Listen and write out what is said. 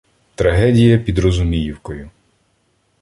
Трагедія під Розуміївкою